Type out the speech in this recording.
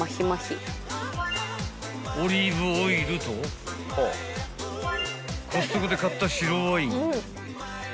［オリーブオイルとコストコで買った白ワイン］